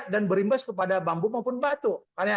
dan berimbas kepada bambu maupun batu